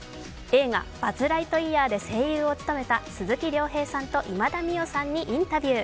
映画「バズ・ライトイヤー」で声優を務めた鈴木亮平さんと今田美桜さんにインタビュー。